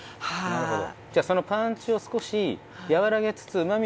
なるほど。